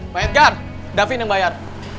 bang hegar davin yang bayar